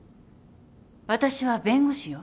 私は弁護士よ。